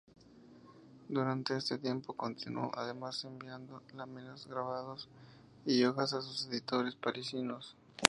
Durante este tiempo, continuó además enviando láminas, grabados y hojas a sus editores parisinos.